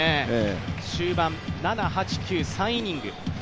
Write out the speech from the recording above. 終盤、７、８、９３イニング。